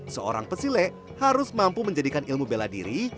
seorang pesilek harus mampu menjadikan ilmu bela diri